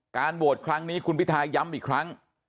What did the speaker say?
โหวตครั้งนี้คุณพิทาย้ำอีกครั้ง